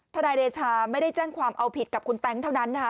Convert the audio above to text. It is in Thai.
นายเดชาไม่ได้แจ้งความเอาผิดกับคุณแต๊งเท่านั้นนะคะ